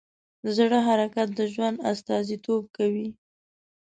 د زړه حرکت د ژوند استازیتوب کوي.